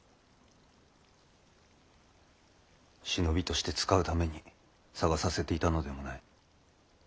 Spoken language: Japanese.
忍びとして使うために捜させていたのでもない。